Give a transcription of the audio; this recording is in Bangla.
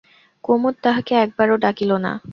কুমুদ তাহাকে একবারও ডাকিল না।